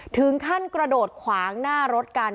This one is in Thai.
ถึงขั้นกระโดดขวางหน้ารถกัน